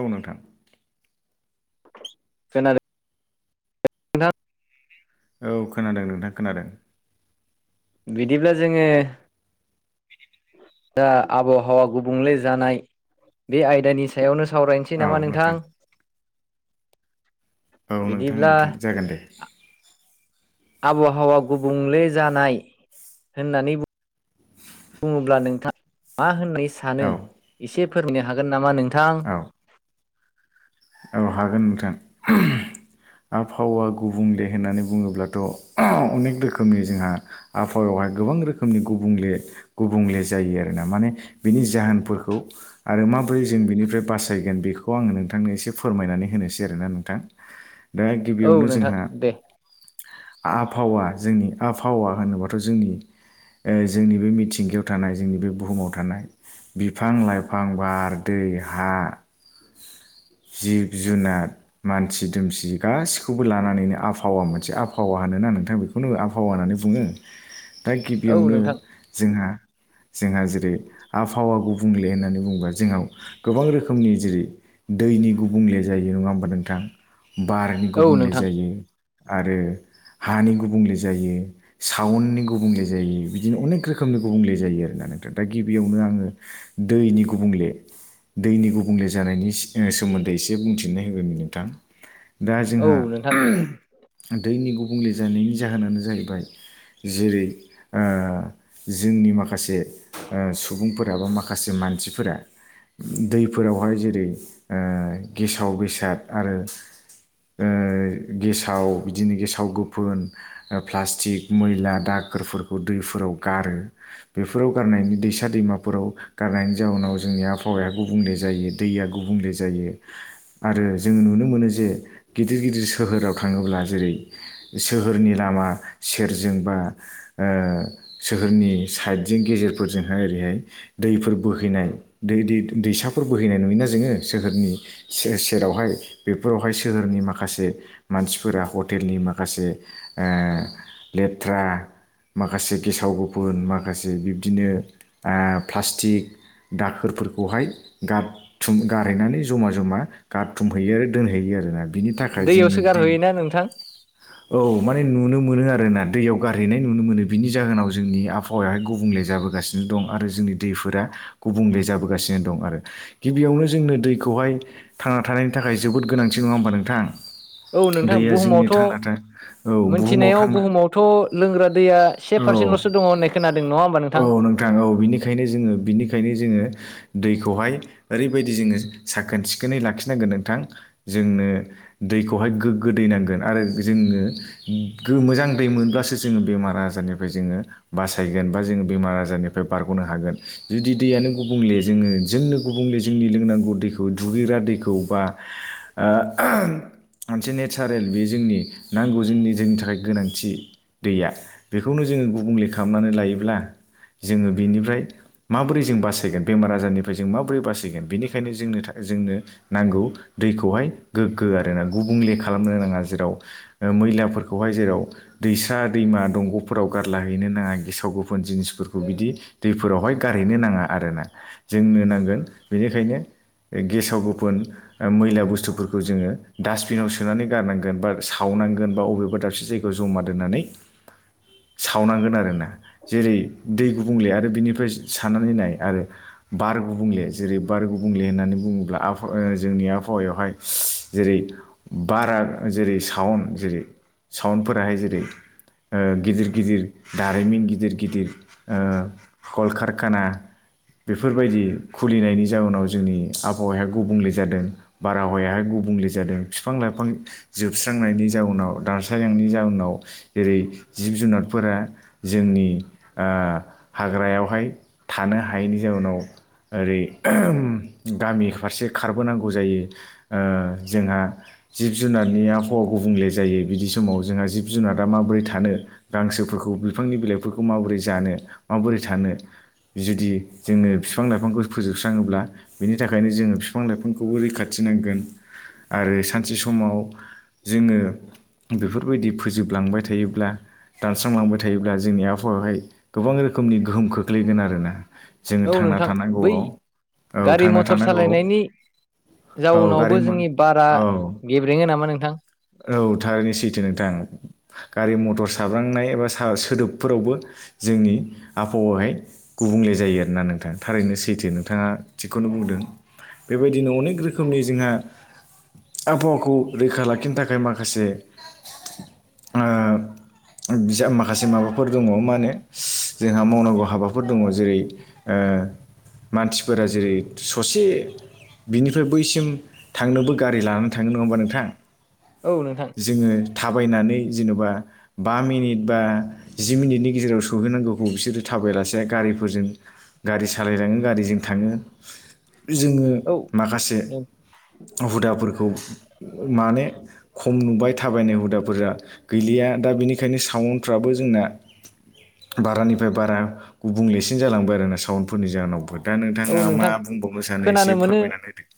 औ नोंथां [unintelligible] औ खोनादों नोंथां खोनादों। बिदिब्ला जोङो दा आबहावा गुबुंले जानाय बे आयदानि सायावनो सावरायनोसै नामा नोंथां? औ नोंथां बिदिब्ला नोंथां जागोन दे। आब'हावा गुबुंले जानाय होननानै बु बुङोब्ला नोंथाङा मा होननाय औ सानो एसे फोरमायनो हागोन नामा नोंथां? औ औ हागोन नोंथां आबहावा गुबुंले होननानै बुङोब्लाथ' अनेक रोखोमनि जोंहा आबहावायावहाय गोबां रोखोमनि गुबुंले गुबंले जायो आरोना माने बिनि जाहोनफोरखौ आरो माबोरै जों बिनिफ्राय बासायगोन बेखौ आङो नोंथांनो एसे फोरमायनानै होनोसै आरोना नोंथां। दा औ गिबियावनो नोंथां जोंहा दे आबहावा जोंनि आबहावा होनोबाथ' जोंनि ओ जोंनि बे मिथिंगायाव थानाय जोंनि बे बुहुमाव थानाय बिफां लाइफां बार दो दै हा [inaudible] जिब जुनार मानसि दुमसि गासिखौबो लानानैनो आबहावा मोनसे आबहावा होनो ना नोंथां बेखौनो आबहावा होननानै बुङो। दा औ गिबियावनो नोंथां जोंहा जोंहा जेरै आबहावा गुबु बुंले होननानै बुंङोबा जोंनाव गोबां रोखोमनि जेरै दैनि गुबुंले जायो नङा होमबा नोंथां बारनि औ गुबुंले नोंथां जायो आरो हानि गुबुंले जायो साउननि गुबुंले जायो। बिदिनो अनेक रोखोमनि गुबुंले जायो आरोना। थां दा गिबियावनो आङो दैनि गुबुंले दैनि गुबुंले जानायनि सि नि सोमोन्दै एसे बुंथिनो होगौमोन नोंथां दा औ जोंहा नोंथां ओ दैनि गुबुंले जानायनि जाहोनानो जाहैबाय जेरै ओ जोंनि माखासे ओ सुबुंफोराबो माखासे मानसिफोरा दैफोरावहाय जेरै ओ गेसाव बेसाद आरो ओ गेसाव बिदिनो गेसाव गोफोन ओ प्लास्टिक मैला दाग साखोरफोरखौ दैफोराव गारो बेफोराव गारनायनि दैसा दैमाफोराव गारनायनि जाउनाव जों जोंनि आहावाया गुबुंले जायो दैया गुबले जा जायो आरो जोङो नुनो मोनो जे गिदिर गिदिर सोहोराव थाङोब्ला जेरै सोहोरनि लामा सेरजोंबा ओ सोहोरनि साइडजों गेजेर फोरजोंहाय ओरैहाय दैफोर बोहैनाय दै दैसाफोर बोहैनाय नुयोना जोङो सोहोरनि सेरावहाय बेफोरावहाय सोहोरनि माखासे मानसिफोरा हटेलनि माखासे ए लेथ्रा माखासे गेसाव गोफुन माखासे बिब्दिनो प्लास्टिक दाखोरफोरखौहाय गारथुम गारहैनानै जमा जमा गारथुमहैयो आरो दोनहैयो आरोना बिनि थाखाय जोंनि दैयावसो दै गारहैयोना नोंथां औ माने नुनो मोनो आ रोना दैयाव गारहैनाय नुनो मोनो बिनि जाहोनाव जोंनि आबहावायाहाय गुबुंले जाबोगासिनो दं आरो जोंनि दै फोर गुबुंले जाबोगासिनो दं आरो गिबियावनो जोंनो दैखौहाय थांना थानायनि थाखाय जोबोद गोनांथि नङा होमबा नोंथां औ नोंथां दैया जोंनि बुहुमावथ' थांनाथाय औ बुहुमाव मोनथिनायाव थांना बुहुमावथ' लोंग्रा दैया से औ पारसेन्टल'सो दङ होननाय खोनादों नङा होमबा औ नोंथां औ बिनिखायनो जोङो बिनिखायनो जोङो दैखौहाय ओरैबायदि जोङो साखोन सिखोनै लाखिनांगोन नोंथां जोंनो दै हाय गोगो दै नांगोन जोङ मोजां दै मोनोब्लासो जों बेमार आजारनिफ्राय बासायगोन बा जोङो बेमार आजारनिफ्राय बारगनो हागोन जुदि दैयानो गुबुंले जों नो गुबुंले जोंनि लोंनांगौ दैखौ दुगैग्रा दैखौ बा मोनसे नेचारेल बे जोंनि नांगौ जोंनि जोंनि थाखाय गोनांथि दैया। बेखौनो जोङो गुबुंले खालामनानै लायोब्ला जोङो बेनिफ्राय माबोरै जों बासायगोन बेमार आजारनिफ्राय जों माबोरै बासायगोन बेनिखायनो जोंनो थाखाय जोंनो नांगौ दैखौहाय गोग्गो आरोना गुबुंले खालामनो नाङा जेराव मैलाफोरखौहाय जेराव दैसा दैमा दंग' फोराव गारला हैनो नाङा गेसाव गोफोन जिनिसफोरखौ बिदि दैफोरावहाय गारहैनो नाङा आरोना जोंनो नांगोन बेनिखायनो गेसाव गोफोन मैला बुस्थुफोरखौ जोङो डास्टबिनाव सोनानै गारनांगोन बा साव नांगोन बा बबेबा दाबसे जायगायाव जमा दोननानै [inaudible] सावनांगोन आरोना जेरै दै गुबुंले आरो बिनिफ्राय सारनानै नाय आरो बार गुबुंले जेरै बार गुबुंले होननानै बुङोब्ला आबहावा जोंनि आबहावायावहाय जेरै बारा जेरै सावन जेरै सावनफोराहाय जेरै गिदिर गिदिर दारिमिन गिदिर गिदिर कलकारखाना बेफोरबायदि खुलिनायनि जाउनाव जोंनि आबहावाया गुबुंले जादों बारहावायाहाय गु बुंले जादों बिफां लाइफां जोबस्रांनायनि जाउनाव दारसायांनायनि जाउनाव जेरै जिब जुनारफोरा जोंनि हाग्रायावहाय थानो हायैनि जाउनाव ओरै गामि फारसे खारबोनांगौ जायो जोंहा जिब जुनारनि आबहावा गुबुंले जायो बिदि समाव जोंहा जिब जुनारा माबोरै थानो गांसोफोरखौ बिफांनि बिलाइफोरखौ माबोरै जानो माबोरै थानो जुदि जोङो बिफां लाइफांखौ फोजोबस्राङोब्ला बिनि थाखायनो जोङो बिफां लाइफांखौबो रैखाथि होनांगोन आरो सानसे समाव जोङो बेफोरबायदि फोजोबलांबाय थायोब्ला दानस्रांलांबाय थायोब्ला जोंनि आबहावायावहाय गोबां रोखोमनि गोहोम खोख्लैगोन आरोना। जोङो औ थांना नोंथां बै थानांगौआव औ गारि थांना मथर थानांगौआव सालायनायनि औ गारि जाउनावबो म जोंनि बारा औ गेब्रेङो नामा नों औ थारैनो सैथो नोंथां गारि मथर साब्रांनाय एबा सा-सोदोबफोरावबो जोंनि आबहावाहाय गुबुंले जायो आरोना नोंथाङा थारैनो सैथो नोंथाङा थिगखौनो बुंदों बेबायदिनो अनेक रोखोमनि जोंहा आबहावाखौ रैखा लाखिनो था खाय माखासे ओ माखासे माबाफोर दङ मा होनो जोंहा मावनांगौ हाबाफोर दङ जेरै ओ ओ मानसिफोरा जेरै ससे बिनिफ्राय बैसिम थांनोबो गारि लानानै थाङो नङा होमबा नोंथां? औ नोंथां जोङो थाबायनानै जेन'बा बा मिनिट बा जि मिनिटनि गेजेराव सौहैनांगौखौ बिसोरो थाबायलासे गारि फोरजों गारि सालायलाङो गारिजों थाङो। जोङो औ माखासे हुदाफोरखौ माने खम नुबाय थाबायनाय हुदाफोरा गैलिया दा बेनिखायनो साउन फ्राबो जोंना बारानिफ्राय बारा गुबुंलेसिन जालांबाय आरोना साउन्डफोरनि जाहोनाव बहुद दा नोंथाङा औ मा नोंथां बुंबावनो सानो एसे खोनानो मोनो फोरमायनानै होदो।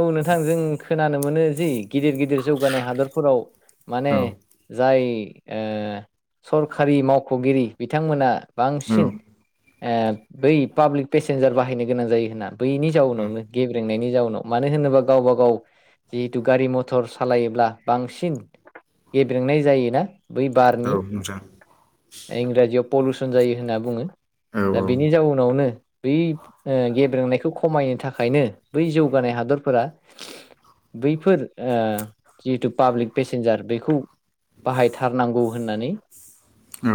औ नोंथां जों खोनानो मोनो जि गिदिर गिदिर जौगानाय हादरफोराव माने होदो औ जाय ओ सरखारि मावख'गिरि बिथांमोना बांसिन औ ओ बै पाब्लिक पेसेन्जार बाहायनो गोनां जायो होनना बैनि जाउनावनो गेब्रेंनायनि जाउनाव मानो होनोबा गावबा गाव जिहेतु गारि मथर सालायोब्ला बांसिन गेब्रेंनाय जायोना! बै बारनि औ नोंथां इंराजियाव पलुउसन जायो होनना बुङो। औ दा बेनि जाउनावनो बै ओ गेब्रेंनायखौ खमायनो थाखायनो बै जौगानाय हादरफोरा बैफोर जिहेथु ओ पाब्लिक पेसेन्जार बेखौ बाहायथारनांगौ होननानै औ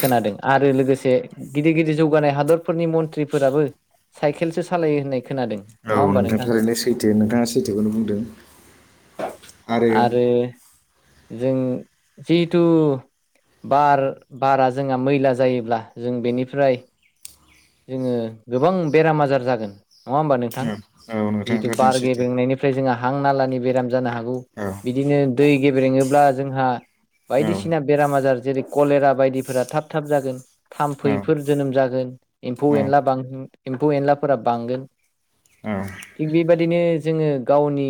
खोनादों आरो लोगोसे गिदिर गिदिर जौगानाय हादरफोरनि मन्थ्रि फोराबो साइकेलसो सालायो होननाय खोनादों औ नङा होमबा नोंथां थारैनो सैथो नोंथाङा सैथोखौनो बुंदों। आरो जों जिथु बार बारा जोंहा मैला जायोब्ला जों बेनिफ्राय जोङो गोबां बेराम आजार जागोन। नङा होमबा नोंथां औ औ नोंथां जिहेथु थारैनो बार सैथो गेबेंनायनिफ्राय जोंहा हां नालानि बेराम जानो हागौ औ बिदिनो दै गेब्रेङोब्ला जोंहा बायदिसिना बेराम आजार जेरै कलेरा बायदिफोरा थाब थाब जागोन। थाम्फैफोर औ जोनोम जागोन एम्फौ एनला एम्फौ एनलाफोरा बांगोन। औ औ थिग बेबादिनो जोङो गावनि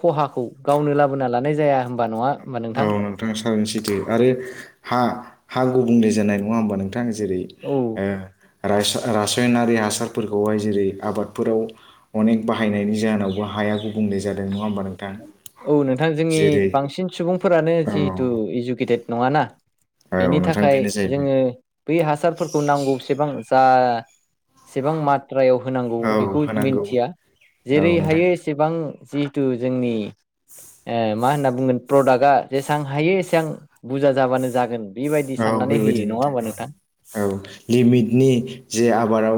खहाखौ गावनो लाबोना लानाय जाया। होमबा नङा होमबा औ नोंथां नोंथाङा सारनोसैथो आरो हा हा गुबुंले जानाय नङा होमबा नोंथां? जेरै औ ओ रास-रासायनारि हासारफोरखौहाय जेरै आबादफोराव अनेक बाहायनायनि जाहोनावबो हा हाया गुबुंले जादों नङा होमबा नोंथां? औ नोंथां जोंनि जेरै बांसिन सुबुंफोरानो औ जिहेतु इडुकेटेद नङा ना औ बेनि नोंथां थाखाय बेनो जाहैबाय जोङो बै हासारफोरखौ नांगौसेबां जा सेबां मात थ्रायाव होनांगौ औ बेखौ होनांगौ मिथिया औ नोंथां जेरैहायो एसेबां जिहेथु जोंनि ओ मा होनना बुंगोन प्रडाक्टआ जेसेबां हायो एसेबां बुरजा जाबानो जागोन बेबायदि औ साननानै बेबायदि होयो नङा नोंथां होमबा औ औ लिमिटनि जे आबादाव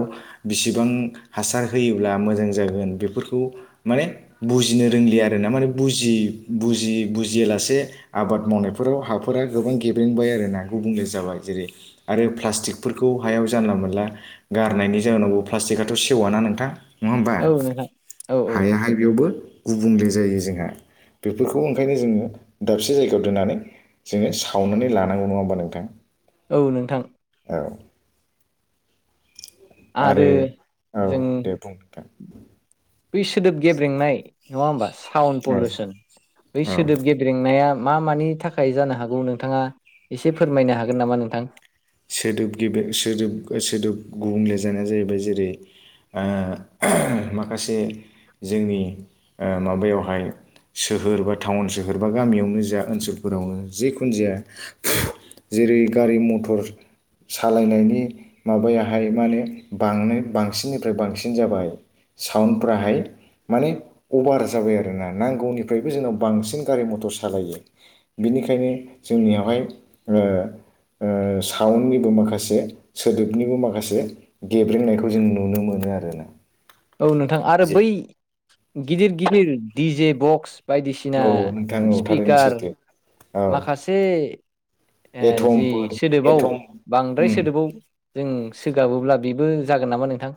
बिसिबां हासार होयोब्ला मोजां जागोन बेफोरखौ माने बुजिनो रोंलिया आरो ना माने बजि बजि बुजियालासे आबाद मावनायफोराव हाफोरा गोबां गेब्रेंबाय आरोना बे बुंनाय जाबाय जेरै आरो प्लास्टिकफोरखौ हायाव जानला मोनला गारनायनि जउनावबो्लाटिक जेकआथ' सेव ना नोंथां नंङा होमबा औ नोंथां औ औ हायाहाय बेयावबो गुबुंले जायो जोंहा बेफोरखौ ओंखायनो जोंङो दाबसे जायगायाव दोननानै जोंङो सावनानै लानांगौ नङा हबानो औ नोंथां आरो औ जों दे बुं बै सोदोब गेब्रेंनाय नङा होमबा साउन्ड औ पलिउसन बै औ सोदोब गेब्रेंनाया मा मानि थाखाय जानो हागौ नोंथाङा एसे फोरमायनो हागोन नामा नोंथां सोदोब गेबें सोदोब सोदोब गुबुंले जानाया जाहैबाय जेरै माखासे जोंनि माबायावहाय सोहोर बा टाउन सोहोर बा गामियावनो जा ओनसोलफोरावनो जिखुनु जाया जेरै गारि मथर सालायनायनि माबायाहाय माने बां बांसिननिफ्राय बांसिन जाबाय साउन्डफ्राहाय माने अभार जाबाय आरोना नांगौनिफ्रायबो जोंनाव बांसिन गारि मथर सालायो बेनिखायनो जोंनियावहाय साउन्डनिबो माखासे सोदोबनिबो माखासे गेब्रेंनायखौ जों नुनो मोनो आरोना औ नोंथां आरो जे बै गिदिर गिदिर दिडिजे बक्स बायदिसिना औ नोंथां औ थारैनो स्पिकार सैथो औ माखासे जि एथमफोर सोदोबाव एथम बांद्राय उम सोदोबाव जों सोगाबोब्ला बेबो जागोन नामा नोंथां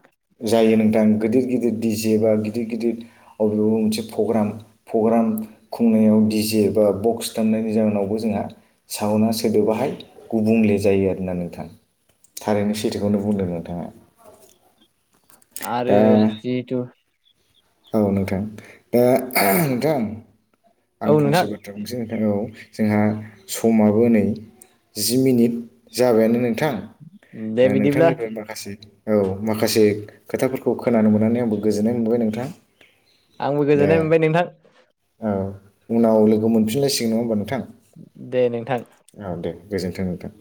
जायो नोंथां गिदिर गिदिर डिजे बा गिदिर गिदिर अबेबा मोनसे फग्राम खुंनायाव डिजे बा बक्स दामनायनि जाहोनावनो जोंहा सावना सोदोबाहाय गुबुंले जायो आरोना नोंथां थारैनो सैथोखौनो बुंदों नोंथाङा आरो दा जिहेथु औ नोंथां दा नोंथां आं औ फंसे नोंथां बाथ्रा बुंसै नोंथां औ जोंहा समाबो नै जि मिनिट जाबायानो न नोंथां दे बिदिब्ला नोंथांनिफ्राय माखासे औ माखासे खोथाफोरखौ खोनानो मोननानै आंबो गोजोननाय मोनबाय नोंथां आंबो दा गोजोननाय मोनबाय नोंथां औ उनाव लोगो मोनफिनलायसिगोन नङा होमबा नोंथां दे नोंथां औ दे गोजोन्थों नोंथां